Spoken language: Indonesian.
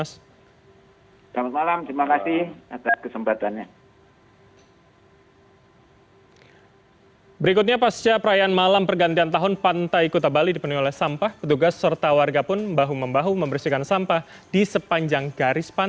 selamat malam terima kasih atas kesempatannya